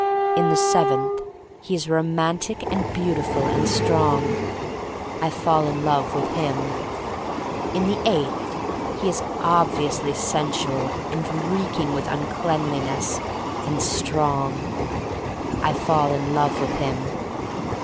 In the seventh he is romantic and beautiful — and strong. I fall in love with him. In the eighth he is obviously sensual r r\ 254 THE STORY OF MARY MAC LANE and reeking with uncleanness — and strong. I fall in love with him.